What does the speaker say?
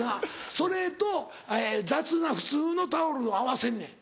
それと雑な普通のタオルを合わせんねん。